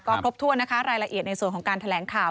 ก็ครบถ้วนนะคะรายละเอียดในส่วนของการแถลงข่าว